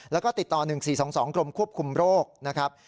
แล้วก็ติดต่อ๑๔๒๒กรมควบคุมโรคนะครับ